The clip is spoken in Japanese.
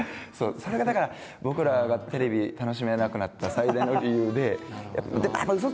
それがだから僕らがテレビ楽しめなくなった最大の理由で。